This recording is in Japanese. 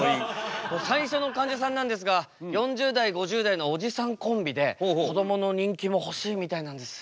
最初のかんじゃさんなんですが４０代５０代のおじさんコンビでこどもの人気も欲しいみたいなんです。